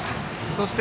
そして